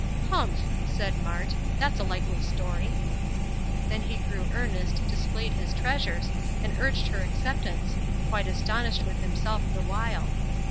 "Humph!" said Mart, "that is a likely story!" Then he grew earnest, displayed his treasures, and urged her acceptance quite astonished with himself the while.